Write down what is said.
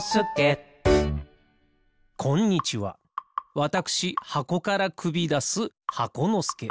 わたくしはこからくびだす箱のすけ。